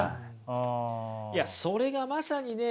いやそれがまさにね